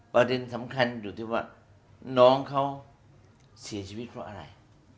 ประเด็นสำคัญอยู่ที่ว่าน้องเขาเสียชีวิตเพราะอะไร